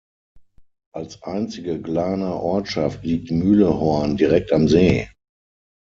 Als einzige Glarner Ortschaft liegt Mühlehorn direkt am See.